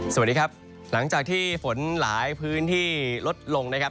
สวัสดีครับหลังจากที่ฝนหลายพื้นที่ลดลงนะครับ